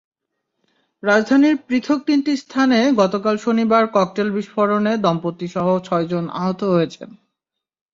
রাজধানীর পৃথক তিনটি স্থানে গতকাল শনিবার ককটেল বিস্ফোরণে দম্পতিসহ ছয়জন আহত হয়েছেন।